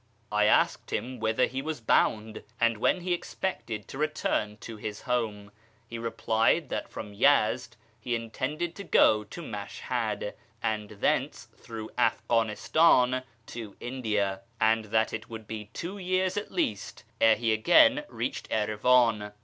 I asked him whither he was bound, and when he expected to return to his home. He replied that from Yezd he intended to go to Mashhad, and thence through Afghanistan to India ; and that it would be two years at least ere he again reached Erivan.